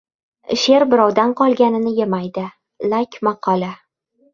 Sher birovdan qolganini yemaydi. Lak maqoli